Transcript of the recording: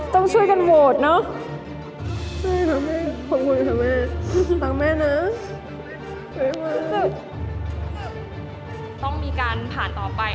ต้องช่วยกันโหวตเนาะ